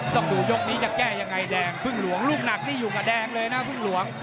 ต้องดูยกนี้จะแก้ยังไงแดงพึ่งหลวงลูกหนักนี่อยู่กับแดงเลยนะพึ่งหลวง